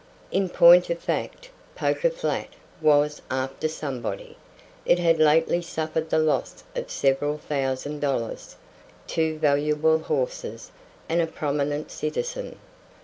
In point of fact, Poker Flat was "after somebody." It had lately suffered the loss of several thousand dollars, two valuable horses, and a prominent citizen.